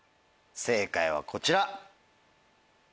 正解はこちら。